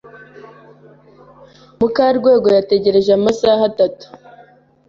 Mukarwego yategereje amasaha atatu.